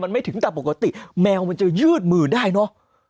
มันไม่ถึงแต่ปกติแมวมันจะยืดมือได้เนอะ